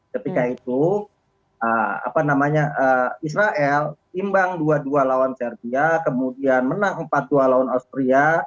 ketika itu israel imbang dua dua lawan servia kemudian menang empat dua lawan austria